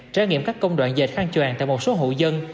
trải nghiệm các công đoạn dệt khăn choàng tại một số hộ dân